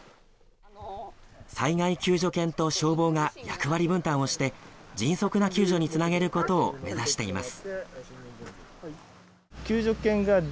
災害救助犬と消防が役割分担をして、迅速な救助につなげることを目指しています。